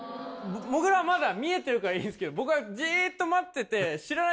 もぐらはまだ見えてるからいいっすけど僕はじっと待ってて・あっ